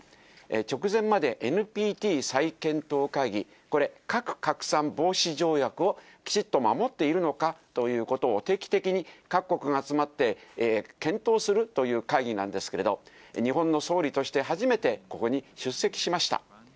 直前までＮＰＴ再検討会議、これ、核拡散防止条約をきちっと守っているのかということを、定期的に各国が集まって、検討するという会議なんですけれど、日本の総理として初めて、ここに出席しました。